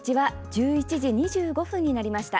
１１時２５分になりました。